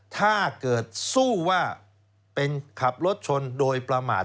ถ้าเกิดสู้ว่าเป็นขับรถชนโดยประมาท